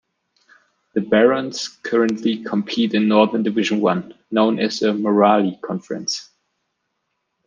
The Barons currently compete in Northern Division One; known as the "Moralee Conference".